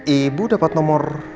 ibu dapat nomor